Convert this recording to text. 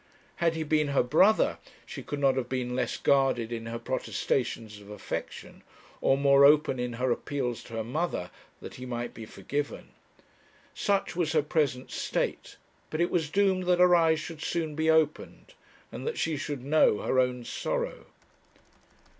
Had he been her brother, she could not have been less guarded in her protestations of affection, or more open in her appeals to her mother that he might be forgiven. Such was her present state; but it was doomed that her eyes should soon be opened, and that she should know her own sorrow.